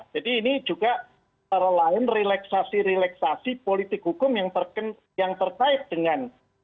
jadi ini juga terlalu relaksasi relaksasi politik hukum yang terkait dengan